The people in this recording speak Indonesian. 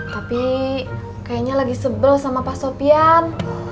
tapi kayaknya lagi sebel sama pak sofian